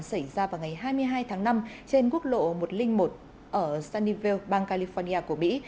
xảy ra vào ngày hai mươi hai tháng năm trên quốc lộ một trăm linh một ở sannyve bang california của mỹ